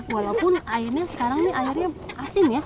walaupun sekarang airnya asin ya